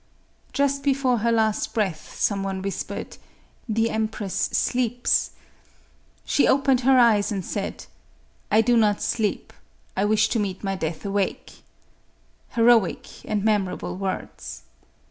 Just before her last breath, some one whispered, " The empress sleeps." She open ed her eyes and said, " I do not sleep ; I wish to meet my death awake" — heroic and memorable words